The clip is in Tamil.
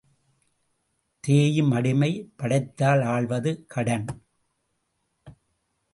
தேயும், அடிமை படைத்தால் ஆள்வது கடன்.